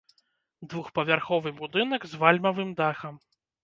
Двухпавярховы будынак з вальмавым дахам.